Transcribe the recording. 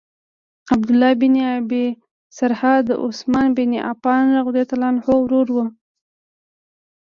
عبدالله بن ابی سرح د عثمان بن عفان رضاعی ورور وو.